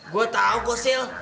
gue tau kok sil